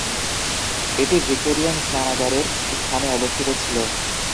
এটি ভিক্টোরিয়ান স্নানাগারের স্থানে অবস্থিত ছিল।